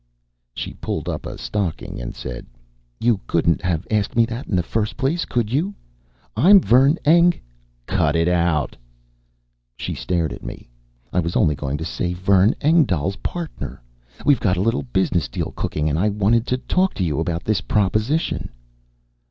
She pulled up a stocking and said: "You couldn't have asked me that in the first place, could you? I'm Vern Eng " "Cut it out!" She stared at me. "I was only going to say I'm Vern Engdahl's partner. We've got a little business deal cooking and I wanted to talk to you about this proposition."